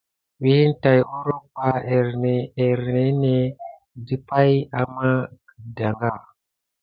Wine tät óroko ɓa éyérne ɗi pay ama kedanga.